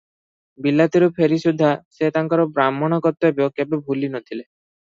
ବିଲାତରୁ ଫେରି ସୁଦ୍ଧା ସେ ତାଙ୍କର ବ୍ରାହ୍ମଣ କର୍ତ୍ତବ୍ୟ କେବେ ଭୁଲି ନ ଥିଲେ ।